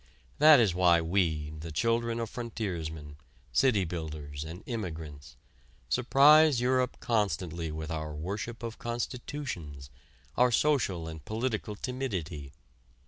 That is why we, the children of frontiersmen, city builders and immigrants, surprise Europe constantly with our worship of constitutions, our social and political timidity.